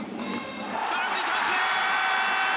空振り三振！